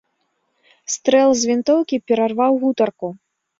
Стрэл з вінтоўкі перарваў гутарку.